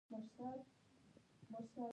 سیلاني ځایونه د ځمکې د جوړښت یوه نښه ده.